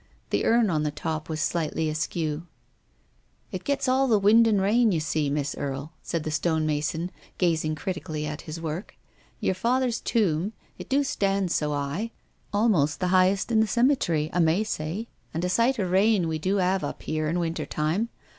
The urn on the top was slightly askew. " It gets all the wind and the rain, you see, Miss Erie," said the stonemason, gazing criti cally at his work. " Yer father's tomb, it do stand so 'igh. Almost the 'ighest in the cem'try, I may say. And a sight of rain we do 'ave up 'ere in wintertime.